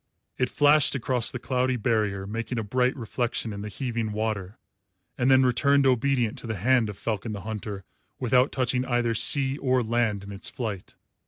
It flashed across the cloudy barrier, making a bright reflection in the heaving water, and then returned obedient to the hand of Falcon the Hunter without touching either sea or land in its flight.